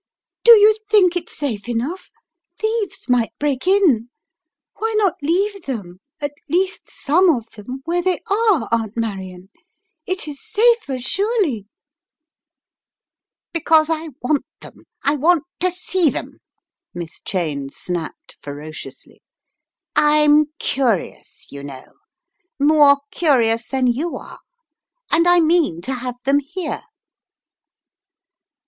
"Do you think it safe enough? Thieves might break in. Why not leave them, at least some of them, where they are, Aunt Marion. It is safer, surely!" 76 The Riddle of the Purple Emperor "Because I want them. I want to see them," Miss Cheyne snapped ferociously. "I'm curious, you know, more curious than you are. And I mean to have them here."